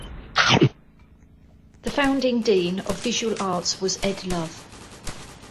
The founding Dean of Visual Arts was Ed Love.